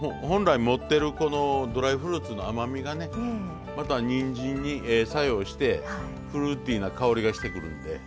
本来持ってるドライフルーツの甘みがねまたにんじんに作用してフルーティーな香りがしてくるんで。